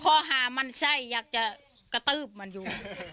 ข้อหามันไส้อยากจะกระตืบมันอยู่